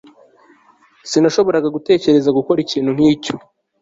Sinashoboraga gutekereza gukora ikintu nkicyo